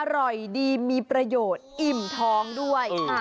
อร่อยดีมีประโยชน์อิ่มท้องด้วย